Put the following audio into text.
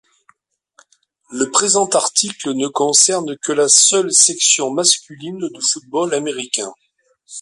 Le présent article ne concerne que la seule section masculine de football américain.